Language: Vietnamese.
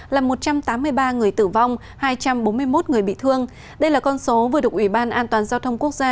làm một trăm tám mươi ba người tử vong hai trăm bốn mươi một người bị thương đây là con số vừa được ủy ban an toàn giao thông quốc gia